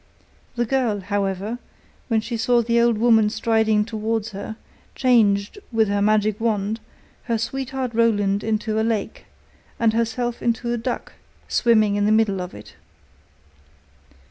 The girl, however, when she saw the old woman striding towards her, changed, with her magic wand, her sweetheart Roland into a lake, and herself into a duck swimming in the middle of it.